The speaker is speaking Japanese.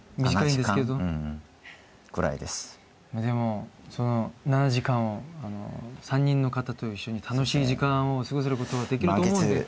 でもその７時間を３人の方と一緒に楽しい時間を過ごせることができると思うんで。